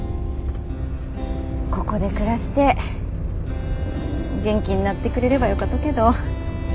ここで暮らして元気になってくれればよかとけど。